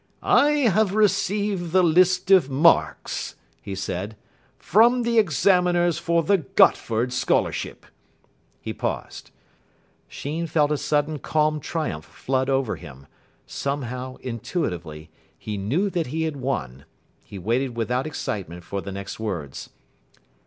"I have received the list of marks," he said, "from the examiners for the Gotford Scholarship." He paused. Sheen felt a sudden calm triumph flood over him. Somehow, intuitively, he knew that he had won. He waited without excitement for the next words.